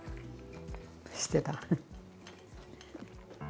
してた。